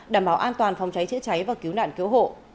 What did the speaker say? đảm bảo an toàn phòng cháy chữa cháy và cứu nạn cứu hộ